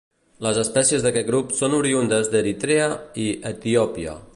Les espècies d'aquest grup són oriündes d'Eritrea i Etiòpia.